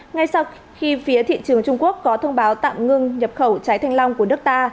ngay sau khi phía thị trường trung quốc có thông báo tạm ngưng nhập khẩu trái thanh long của nước ta